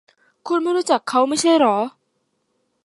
คุณไม่รู้จักเขาไม่ใช่หรอ ?